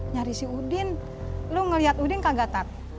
nyari si udin lu ngeliat udin kagak tati